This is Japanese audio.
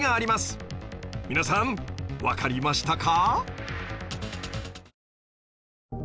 皆さんわかりましたか？